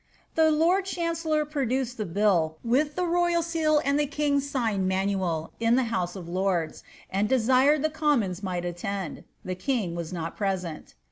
The lord chancellor produced the bill, with the royal seal and the ig's sign manual, in the house of lords, and desired the commons fhX attend. The king was not present.